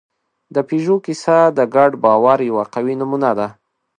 د پيژو کیسه د ګډ باور یوه قوي نمونه ده.